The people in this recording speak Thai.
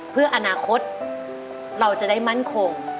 เพื่ออนาคตเราจะได้มั่นคง